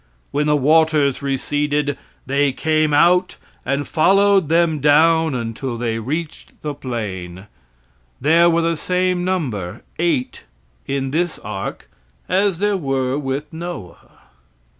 When the waters receded, they came out and followed them down until they reached the plain. There were the same number eight in this ark as there were with Noah.